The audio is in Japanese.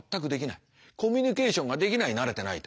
コミュニケーションができない慣れてないと。